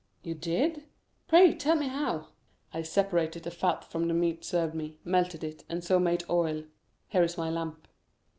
"You did? Pray tell me how." "I separated the fat from the meat served to me, melted it, and so made oil—here is my lamp."